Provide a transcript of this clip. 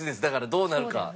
だからどうなるか。